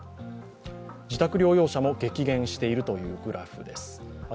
自宅療養者も激減しているという状況です。